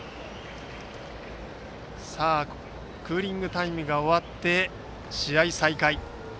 さあクーリングタイムが終わって試合再開。